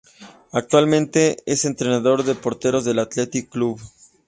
Actualmente es entrenador de porteros del Athletic Club.